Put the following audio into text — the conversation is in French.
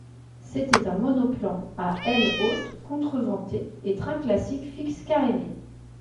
C'était un monoplan à aile haute contreventée et train classique fixe caréné.